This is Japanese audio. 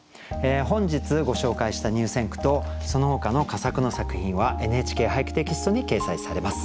本日ご紹介した入選句とそのほかの佳作の作品は「ＮＨＫ俳句」テキストに掲載されます。